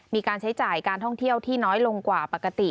มีการใช้จ่ายการท่องเที่ยวที่น้อยลงกว่าปกติ